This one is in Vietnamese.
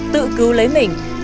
tự cứu lấy mình